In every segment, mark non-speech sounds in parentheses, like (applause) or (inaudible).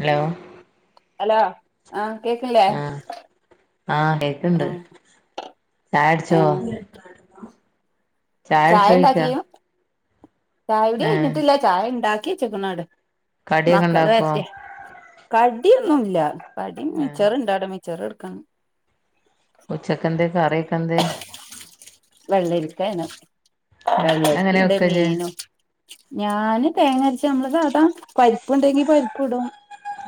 Hello? Hello ആഹ കേക്കില്ലേ ആഹ് ആ ചായട്ച്ചോ ചായൊട്ചോയിക്ക ചായുടി കഴിഞ്ഞിട്ടില്ല ചായണ്ടാക്കിച്ച്ക്ക്ണ് അവുടെ കടിയൊക്കെ മക്കള് ഇണ്ടാക്കോ വരട്ടെ ക ടിയൊന്നുല്ല കടി ഏഹ് മിച്ചറ്ണ്ടോവ്ടെ മിച്ചറ്ട്ക്കണം ഉച്ചക്കെന്തേ കറിയൊക്കെന്തേ വെള്ളരിക്കാണ് ഏഹ് എങ്ങനെ വെള്ളരിക്കിണ്ട് വെക്കാ ഇജ്ജ് മീനും. ഞാന് തേങ്ങ അരച്ച നമ്മള് സാതാ പരിപ്പണ്ടെങ്കി പരിപ്പ് ഇടും.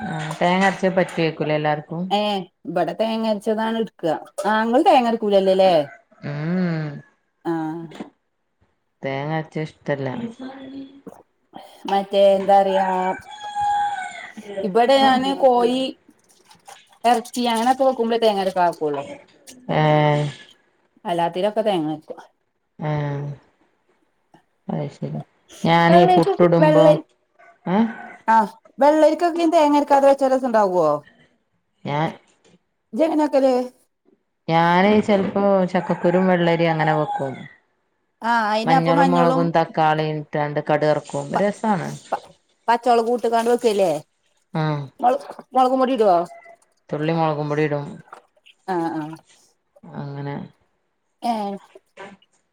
ആ തേങ്ങ അരച്ച പറ്റി വക്കൂലേ എല്ലാർക്കും. ഏ ഇവിടെ തേങ്ങരച്ചതാണ് എടുക്ക. നിങ്ങള് തേങ്ങര സ്കൂല്ലേല്ലേ ആഹ് തേങ്ങരച്ച ഇഷ്ടല്ല. മറ്റേ എന്താറിയാ ഇവിടെ ഞാന് കോയി എറച്ചി അങ്ങനൊക്കെ വെക്കുമ്പളേ തേങ്ങ അരക്കാതെക്കൊള്ളു. ഏ അല്ലാത്തീലൊക്കെ തേങ്ങ. (unintelligible) ഏ അയ് ശെരി ഞാനെയ് വെള്ളരിക്ക പുട്ടുടുമ്പൊ ഏ വെള്ളരിക്കൊക്കി തേങ്ങരക്കാതെ വെച്ചാ രസണ്ടാവോ? ഞാൻ ഇജെങ്ങനെ വെക്കല്. ഞാന് ചെലപ്പോ ചക്കക്കുരും വെള്ളരി അങ്ങനെ വെക്കും. ആഹ് അയിനപ്പം മഞ്ഞളും മുളകും തക്കാളി ഇട്ടാണ്ട് കടു വറുക്കും രസാണ്. പച്ചൊളോകൂട്ട്ങ്ങാണ്ട് ക്കല്ലേ ആഹ് മോള് മൊളകുപൊടി ഇടോ? തുള്ളി മൊളകുംപൊടി ഇടും അങ്ങനെ. ഏ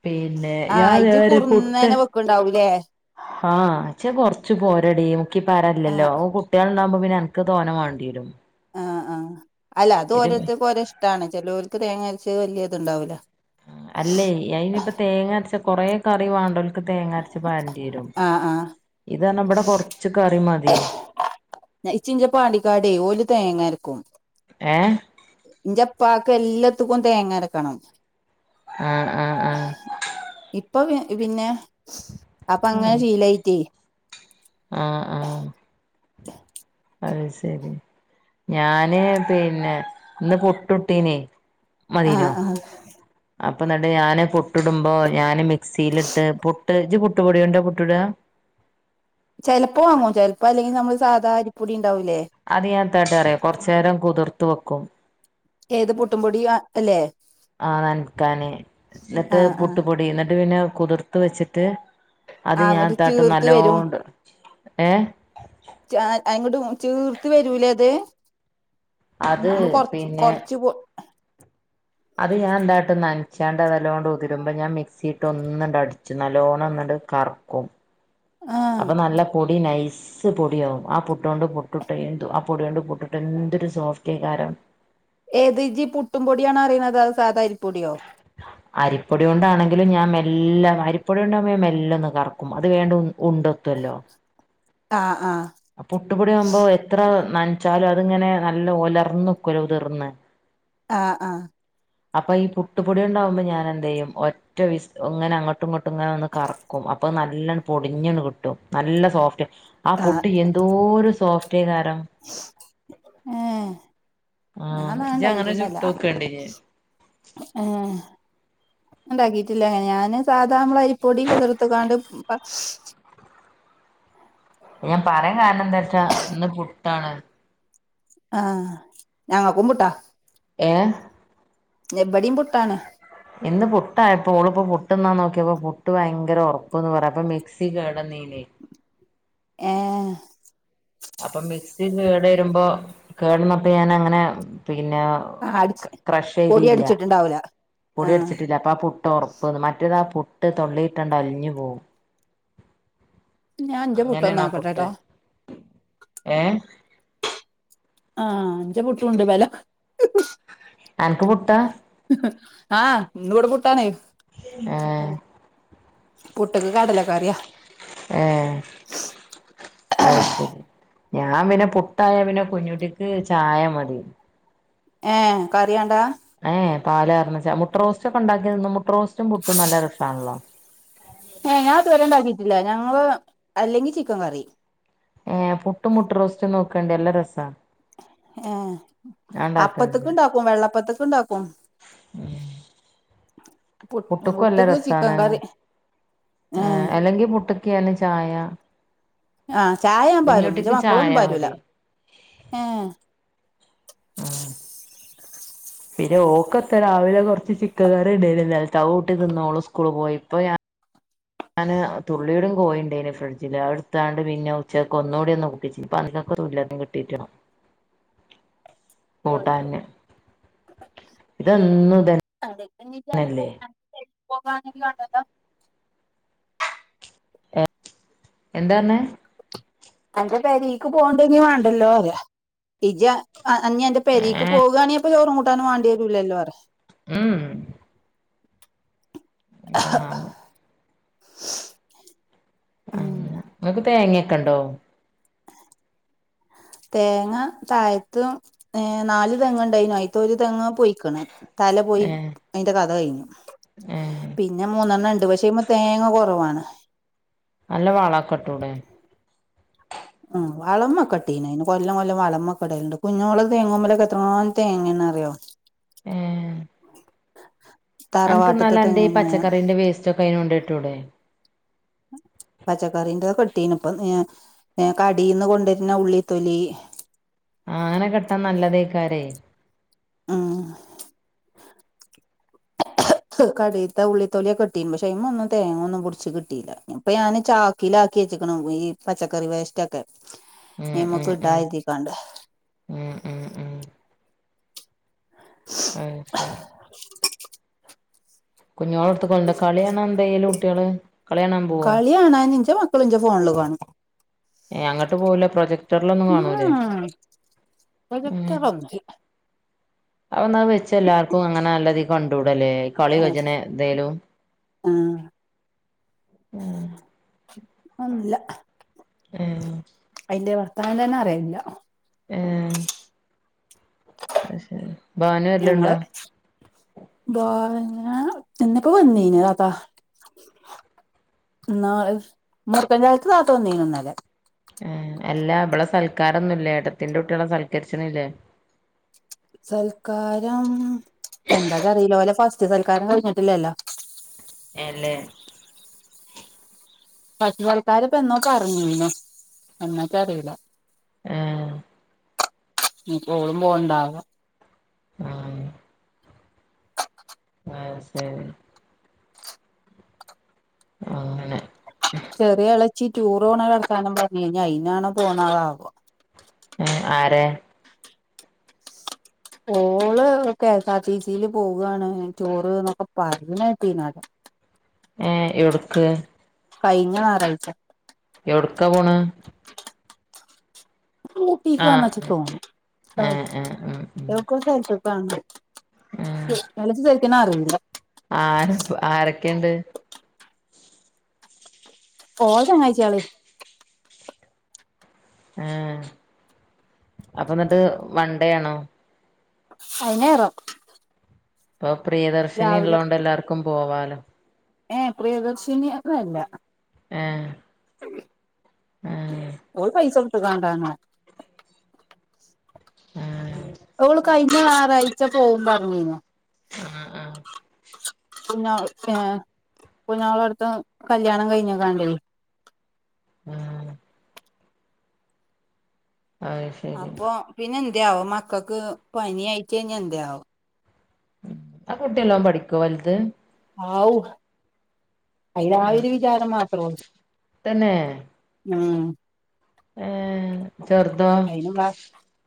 പിന്നെ ഇജ്ജ് ഞാൻദേമാരി പുട്ട് കുറുന്നനെ വെക്ക്ണ്ടാവൂലേ ആഹ് ച്ച് കൊറച്ച് പോരടി മുക്കി പാരാൻലല്ലോ ആഹ് അവും കുട്ട്യാള് ഇണ്ടാവുമ്പൊ പിന്നെ അൻക്ക് തോനെ വാണ്ടി വരും. ആ ആഅല്ല അത് ഒരോരുത്തർക്കോരോ ഇഷ്ടാണ്ചെലോൽക്ക് തേങ്ങരച്ച് വല്ല്യ ഇത്ണ്ടാവൂല. അല്ലെയ് അയിനിപ്പ തേങ്ങ അരച്ച കൊറേ കറി വാണ്ടല്? തേങ്ങരച്ച് പാരണ്ടി വരും ആഹ് ആഹ് ഇത് അർഞ്ഞാ ഇവിടെ കൊറച്ച് കറി മതി. ന ഇച്ച്ങ്ക് പാണ്ടിക്കാടെയ് ഓല് തേങ്ങര്ക്കും. ഏഹ് ഞ്ചപ്പാക്ക് എല്ലത്ത്ക്കും തേങ്ങരക്കണം. ആ ആ ആ അപ്പൊ പി പിന്നെ അപ്പങ്ങനെ ശീലായിട്ടെയ്. ആ ആഹ് അഹ് സെരി ഞാന് പിന്നെ ഇന്ന് പുട്ടുട്ടീനെ. മതീനോ ആഹ് ആഹ് അപ്പൊന്നട്ട് ഞാന് പുട്ടുടുമ്പൊ ഞാന് മിക്സിയിലിട്ട് പു ട്ട് ജ്ജ് പുട്ടുപൊടിയോണ്ട പുട്ടുട. ചെലപ്പോ വാങ്ങും ചെലപ്പോ അല്ലെങ്കിൽ നമ്മള് സാധാ അരിപ്പൊടി. ഉണ്ടാവൂലേ അത് ഞാ താട്ടാറിയോ കൊറച്ചേരം കുതിർത്ത്‌വെക്കും. ഏത് പുട്ടുപൊടിയാ അല്ലേ ആ നനകാന് ന്നട്ട് ആഹ് ആഹ് പുട്ടുപൊടി ന്നട്ട് പിന്നെ കുതിർത്ത് വെച്ചിട്ട്. അത് ആ ഞാ അങ്ങട്ട് താട്ടും ചീർത്ത് നല്ലോണ്ട് ഏ ച്ആ അയിങ്ങോട്ട് ചീർത്ത് വരൂലേ ത് അത് നമ്മള് കൊർ പിന്നെ കൊർച്ച് പോ അത് ഞാൻ ന്താട്ടും നനച്ചാണ്ട് അത് നല്ലോണം ഉതിരുമ്പൊ ഞാൻ മിക്സിലിട്ട് ഒന്നടിച്ചും നല്ലോണൊന്ന് ട്ട് കറുക്കും ആഹ് അപ്പൊ നല്ല നൈസ് പൊടിയാവും ആ പുട്ടോണ്ട് പുട്ടുട്ട എന്തൊ ആ പൊടിയോണ്ട് പുട്ടുട്ട എന്തൊരു സോഫ്റ്റേക്കാരും. ഏത് ജ് പുട്ടും പൊടിയണോ പറയ്ന്നത് അതോ സാധാ അരിപ്പൊടിയോ അരിപ്പൊടിയോണ്ടാണെങ്കിലും ഞാൻ എല്ലാം അരിപ്പൊടിയാണ്ടാവുമ്പ ഞാൻ മെല്ലെ ഒന്ന് കറക്കും അത് കഴിഞ്ഞിട്ട് ഉണ്ട കുത്തോലൊ ആഹ് ആഹ് പുട്ടുപൊടി ആവുമ്പോ എത്ര നനച്ചാലും അ തിങ്ങനെ നല്ല ഒലർന്ന് ക്കോ ലൊ ഉതിർന്ന്. ആ ആ അപ്പൊ ഈ പുട്ടുപൊടിയി ണ്ടാവുമ്പം ഞാൻ എന്ത് ചെയ്യും ഒറ്റവിസി ഇങ്ങനെ അങ്ങട്ടു ങ്ങട്ടും ഒന്ന് കറക്കും. അപ്പൊ നല്ലണ് പൊടിഞ്ഞണ് കിട്ടും നല്ല സോഫ്റ്റ് ആ ആഹ് പുട്ട് എന്തോരു സോഫ്റ്റേക്കാരും. ഞാനത് ണ്ടാക്കീട്ടന്നല്ല ഏ ണ്ടാക്കിട്ടില്ല ഞാന് സാധാമ്മളെ പ്പൊടി കുതിർത്ക്കാണ്ട് പക്ഷ് ഞാൻ പറയാൻ കാരണം എന്താ വച്ചാ ഇന്ന് പുട്ടാണ് ആഹ് ഞങ്ങ കുമ്പിട്ട ഏഹ് ലെ ഇവിടിം പുട്ടാണ്. ഇന്ന് പുട്ടായപ്പൊ ഓള്പൊ പുട്ട്ന്നാ നോക്കിയപ്പോ പുട്ട് ഭയങ്കര ഒറപ്പ്ന്ന് പറയാ അപ്പ മിക്സി കേട ന്നീ ലേ ഏഹ് അപ്പൊ മിക്സി കേട് വരുമ്പോ കേട്ന്നൊക്കെ ഞാൻ അങ്ങനെ പിന്നെ അടിച്ച് ക്രഷ് പൊടി എഴുതിയില്ല. അടിച്ചിട്ടുണ്ടാവൂല പൊടി ആഹ് അടിച്ചിട്ടില്ല അപ്പ ആ പുട്ട ഉറപ്പ്ന്ന്. മറ്റ താ പുട്ട് തൊള്ളിയിട്ടുണ്ട അലിഞ്ഞു പോവും. ഞാൻ അഞ്ച പുട്ടൊന്ന് അങ്ങനെണാ പുട്ട്. നോക്കട്ടെട്ടോ ഏ ആഹ് അഞ്ച പുട്ടുംണ്ട് ബെല അനക്ക് പുട്ടാ ആഹ് ഇന്ന് കൂട പുട്ടണേ ആഹ് പുട്ട്ക്ക് കടലക്കറിയാ. ഏ അത് ശരി. ഞാൻ പിന്നെ പുട്ടായ പിന്നെ കുഞ്ഞുട്ടിക്ക് ചായ മതി. ഏ കറിയണ്ടാ ഏയ് പാല എറന്ന് മുട്ട റോസ്റ്റ് ഒക്കെ ഉണ്ടാക്കിന്ന് മുട്ട റോസ്റ്റും പുട്ടും നല്ല രസണല്ലോ. ഏ ഞാത് വരണ്ടാക്കിട്ടില്ല. ഞങ്ങള് അല്ലെങ്കി ചിക്കൻ കറി. ക്കണ്ട എല്ലാരസണ്. ഏ അപ്പത്തക്ക ഉണ്ടാക്കും വെള്ളപ്പത്തക്ക ഇണ്ടാക്കും പുട്ട്ക്ക് ചിക്കൻ കറി. ആഏ ഏഹ് അല്ലെങ്കി മുട്ടക്കിയന്ന ചായ ആഹ് ചായ ഞാൻ പരും കുഞ്ഞുട്ടിക്ക് മക്കളൊ ചായ ഒന്നും പരുല മതി ഏ ആഹ് പിന്നെ ഓക്കത്ത രാവിലെ കുറച്ച് ചിക്ക കറി ഇണ്ടല നൽത്താവ കൂട്ടി തിന്നോളു സ്കൂൾ പോയി ഇപ്പ ഞാൻ ഞാന് തുള്ളിയോടും കോഴുണ്ടേന് ഫ്രിഡ്ജില് അടുത്താണ്ട് പിന്നെ ഉച്ചക്ക് ഒന്നുകൂടി ഒന്ന് മൂപ്പിച്ച് റല്ലന്ന് കിട്ടിട്ട കൂട്ടന്. (unintelligible) ഇതന്നല്ലേ പോകണ കാണ്ടല്ല. എന്താന്ന് എന്റെ പേരീക്ക് പോണ്ടി വേണ്ടല്ലോ അരാ ഇജ് ആ അന്റെ പെരേക്ക് പോവുകയാണിയപ്പോ ചോറും കൂട്ടാനും വേണ്ടി വരൂലല്ലോ വേറെ ഉം (inaudible) എന്താണാവോ. അ ഉം നിങ്ങക്ക് തേങ്ങൊക്കെണ്ടോ. തേങ്ങ താഴത്തും ഏ നാല് തെങ് ഉണ്ടായിന ആയിത്ത ഒരു തെങ് പൊയിക്കണ്. തല പോയി ഏഹ് അതിന്റെ കഥ കഴിഞ്ഞു. ഏഹ് പിന്നെ മൂന്നെണ്ണം ണ്ട് പക്ഷേഅയിമ്മേ തേങ്ങ കുറവാണ്. നല്ല വളക്കെട്ടൂടെ. ഉ് വളമൊക്കെട്ടീന അന് കൊല്ലം കൊല്ലം വളംക്കെടലുണ്ട് കുഞ്ഞുളക് തേങ്ങുമ്പോക്ക എത്ര തേങ്ങ അറിയോ. ഏ അനക്ക് തറവാട്ട്ത്തെ എന്നാലും അന്റെ ഈ തെങ്ങുമ്മെ പച്ചക്കറന്റെ വേസ്റ്റ് ഒക്കെ അയിനോണ്ടോയിട്ടൂടെ. ഉം പച്ചക്കറീറ കെട്ടീന ഇപ്പ കടീന്ന് കൊണ്ടിരുന്ന ഉള്ളിത്തൊലി ആ അങ്ങനെ കെട്ടാൻ നല്ലതയി ക്കാരെ ആ കടയിലത്തെ ഉള്ളിത്തൊലിയൊക്കകിട്ടിന്ന് പക്ഷേ ഇമേ ഒന്നും തേങ്ങ ഒന്നും പിടിച്ച് കിട്ടിയില്ല ഇപ്പ ഞാന് ചാക്കിലാക്കി ലാക്കി വെച്ചക്കണ് ഈ പച്ചക്കറി വേസ്റ്റ് ഒക്കെ ഉം ഉം ഞമ്മക്ക് ഉം ഉണ്ടായതി കൊണ്ട് ഉം ഉം ആ ശരി കുഞ്ഞോളോടുഅടുത്തുകൊണ്ട് കളിയാണോ എന്തായ്ല് കുട്ടികള് കളികാണാൻ പോവോ എന്റെ മക്കള് എന്റെ ഫോണില് കാണും ഏ അങ്ങോട്ട് പോവൂല്ല പ്രൊ ജക്ടറിലൊന്നും കാണൂലേ പ്രൊജക്ടർ ഒന്നും ഇല്ല അതൊന്നു വെച്ചാ എല്ലാർക്കും അങ്ങനെ നല്ല രീതി കണ്ടുകൂടെ കൂടല് കളി ഏഹ് (unintelligible) എന്തേലും ആഹ് മം ഒന്നുമില്ല ആ ഞാൻ തന്നെ അറിയുന്നില്ല ആ അത് ശരി വാന് വല്ലതുമുണ്ടോ വാന് ഇന്നിപ്പോ വന്നേന്ന്‌ അതാ ഇന്നാളി മൂത്ത (unintelligible) നാത്തൂൻ വന്നെന്ന് ഇന്നലെ ആ അല്ലഇവിടെ സൽക്കാരൊന്നുംഇല്ലേ ഏട്ടത്തിന്റെ കുട്ടികളെ സൽക്കരിച്ചൊന്നും ഇല്ലേ സൽക്കാരം എന്താ കറിയില് ഓലെ അതിഥി സൽക്കാരം കഴഞ്ഞിട്ടില്ലല്ലോ അല്ലേ പശു പൽക്കാരൻ ഇപ്പോ എന്നൊക്കെ അറിഞ്ഞുന്നോ എന്നൊക്കെ അറിയൂലാ ആ ഇപ്പോ ഓളും പോകുന്നുണ്ടാവും ആ ആ അത് ശരി ആ ചെറിയ എളച്ചി ടൂറ് പോണ വർത്താനം പറഞ്ഞഞ് ഇനി അയി നാണോ പോന്നത് ആവോ ആ ആരാ ഓള് കെ എസ് ആർ ടി സിയില് പോവാണ് ടൂർന്നൊക്കെ പറയണേ കേട്ടീരുന്നു അതാ ഏ എവിടക്ക് കഴിഞ്ഞ ഞായറാഴ്ച്ച എവിടെക്കാ പോണേ ഊട്ടിക്കാന്ന വെച്ച ആഹ് തോന്നണേ ആ ഏഹ് ഏഹ് ഉം ഉം (unintelligible) ആ എളച്ചി ശരിക്കുന്ന് അറിയൂല്ല ആരാപ്പോ ആരൊക്കെയുണ്ട് ഓടെ ചങ്ങാഴച്ചികള് ആ അപ്പൊ എന്നിട്ട് വൺഡേ ആണോ അയിനറോ ഇപ്പൊ പ്രിയദർശിനി ഉള്ളതോണ്ട് എല്ലാർക്കും പോവാലോ ഏ പ്രിയദർശിനി ഒന്നും അല്ല ആ ഓള് പൈസ കൊടുത്ത് കാണുവാനോ ആ അവള് കഴിഞ്ഞ ഞായറാഴ്ച പോകും പറഞ്ഞീരുന്നു ആ ആ കുഞ്ഞാ ഏ കുഞ്ഞാവടെ അടുത്ത് കല്യാണം കഴിഞ്ഞേക്കാണ്ടേ ആഹ അത് ശരി അപ്പൊ പിന്നെ എന്തയാവോ മക്കൾക്ക് പനി ആയിട്ട കഴിഞ്ഞാ എന്തയാവും ആ കുട്ടിയെല്ലാം പഠിക്കുവോ വലുത്? ആഔ അതിന് ആ വിചാരം മാത്രവുള്ളു തന്നെ ആഹ! ചെറുതോ അയിനും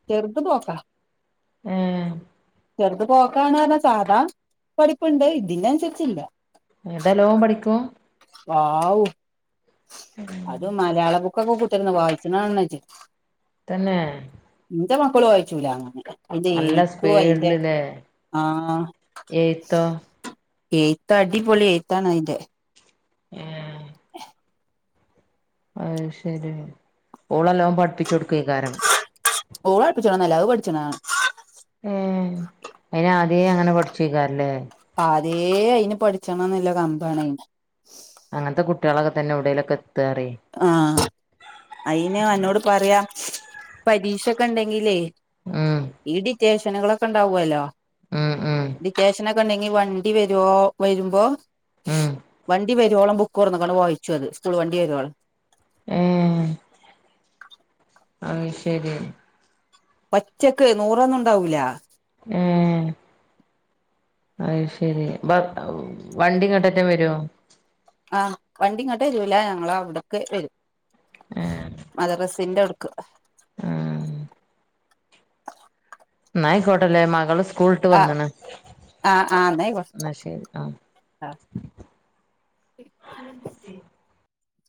ചെറുത് പോക്കാ ഏഹ് ചെറുത് പോക്കാണ് പറഞ്ഞാ സാധാ പഠിപ്പിണ്ട് ഇതിനനുസരിച്ചില്ല ഇതല്ലോവും പഠിക്കും വാവു അത് മലയാളം ബുക്കൊക്കെ കു ത്തിരുന്ന് വായിച്ചന കാരണം ഇജ്ജ് തന്നേ ഇന്റെ മക്കളു വായിക്കൂല അങ്ങനെ. അയ്ന്റെ എയ്ത്തും അയ്ന്റെ സ്പീഡിലില്ലേ ആഹ് എഴുത്തോ എയ്ത്ത് അടിപൊളി എഴുത്താനതിന്റെ (unintelligible) അയ് ശരി ഓളെല്ലും പഠിപ്പിച്ചു കൊടുക്കക്കാരം ഓള് അടുപ്പിച്ചല്ല (unintelligible) ഏയ് അയിന ആദ്യേ അങ്ങനെ പഠിച്ചക്കാല്ലേ തേ അയിന് പഠിച്ചണംന്നല്ല കമ്പാണ് ന് അങ്ങനത്തെ കുട്ടികളൊക്കെ തന്നെ എവിടേലൊക്കെ എത്താറേ ആഹ് അയിന് അന്നോട് പറയാം പരീക്ഷൊക്കെ ഉണ്ടെങ്കിലേ ഉം ഈ ഡിറ്റേഷനുകളൊക്കെ ഉണ്ടാവല്ലോ ഉം ഉം ഡിറ്റേഷ (unintelligible) വണ്ടി വരോ വരുമ്പോ ഉം വ (unintelligible) വരുവോള ബുക്ക് കുറന്നക്കാണ് വായിച്ചത് സ്കൂൾ വണ്ടി വരുളം ഏയ് അയ് ശരി പച്ചക്ക് നൂറൊന്നും ഉണ്ടാവൂല ഏയ് അയ് ശരിപ്പ വണ്ടിങ്ങട്ടട്ടം വരുവോ ആഹ് വണ്ടിങ്ങോട്ട് വരുല ഞങ്ങ അവിടക്ക വരും മദറസിന്റെ അവി ക്ക് ഉം നായി കോട്ടല്ലേ മകള് സ്കൂളട്ട് ആഹ് വന്നണ് ആഹ് ആഹ് ആയിക്കോട്ടെ എന്നാ ശരി ആഹ് ആ (unintelligible)